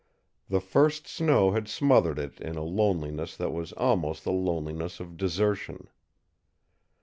The first snow had smothered it in a loneliness that was almost the loneliness of desertion.